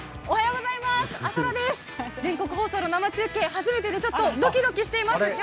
おはようございます。